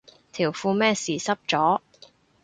條褲咩事濕咗